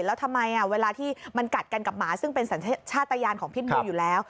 แล้วทำไมเวลาที่มันกัดกันกับหมาซึ่งเป็นสัญชาติยานของพิษบูอยู่แล้ว